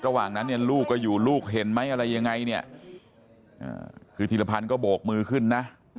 ระหว่างนั้นเนี่ยลูกก็อยู่ลูกเห็นไหมอะไรยังไงเนี่ยคือธีรพันธ์ก็โบกมือขึ้นนะ